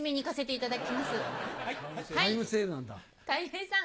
たい平さん。